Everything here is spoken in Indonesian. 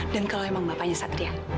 dan kalau emang bapaknya satria